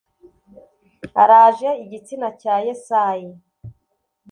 Araje igitsina cya Yesayi